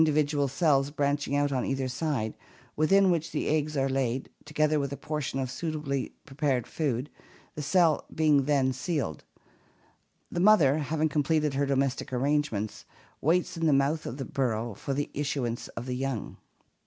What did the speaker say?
COMMUNALISM 255 vidual cells branching out on either side, within which the eggs are laid, together with a portion of suitably prepared food, the cell being then sealed. The mother, having completed her do mestic arrangements, waits in the mouth of the burrow for the issuance of the young.